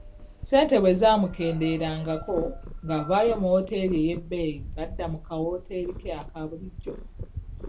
Ssente bwe zaamukenderangako ng'avaayo mu wooteeri ey'ebbeeyi ng'adda mu kawooteri ke aka bulijjo.